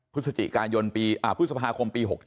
พฤษภาคมปี๖๗